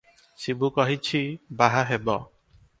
ଶିବୁ କହିଛି, ବାହା ହେବ ।